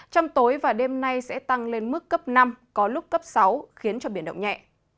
trong tối và đêm nay sẽ tăng lên mức cấp năm có lúc cấp sáu khiến cho biển động nhẹ